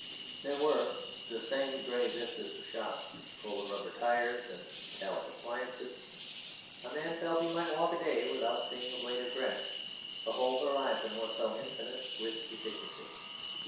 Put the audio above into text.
There were the same grey vistas of shops full of rubber tyres and metallic appliances; a man felt that he might walk a day without seeing a blade of grass; the whole horizon was so infinite with efficiency.